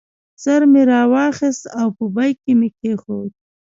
ژر مې راواخیست او په بیک کې مې کېښود.